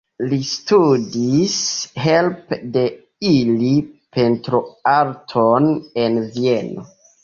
Li studis helpe de ili pentroarton en Vieno.